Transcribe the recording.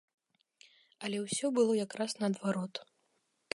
Але ўсё было якраз наадварот.